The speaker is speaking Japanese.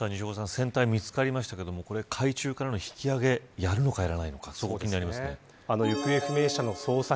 船体、見つかりましたけど海中からの引き揚げやるのかやらないのか行方不明者の捜索